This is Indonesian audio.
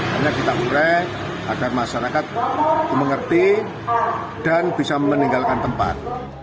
hanya kita urai agar masyarakat mengerti dan bisa meninggalkan tempat